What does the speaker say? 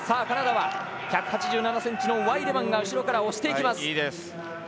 カナダは１８７ｃｍのワイデマンが後ろから押していきます。